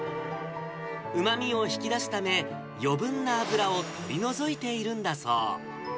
うまみを引き出すため、余分な油を取り除いているんだそう。